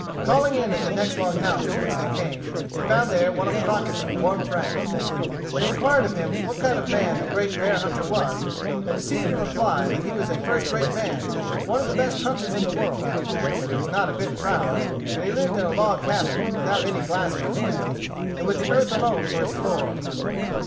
Calling in at the next log house to which they came, they found there one of Crockett's warm friends. They inquired of him what kind of a man the great bear hunter was, and received in reply that he was a first rate man, one of the best hunters in the world; that he was not a bit proud; that he lived in a log cabin, without any glass for his windows, and with the earth alone for his floor.